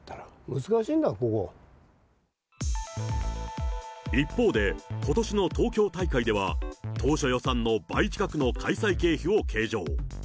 難しいんだ、一方で、ことしの東京大会では、当初予算の倍近くの開催経費を計上。